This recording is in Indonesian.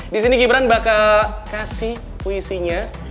disini gibran bakal kasih puisinya